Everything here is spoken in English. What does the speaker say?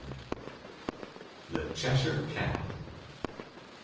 THE CHESHIHE CAT.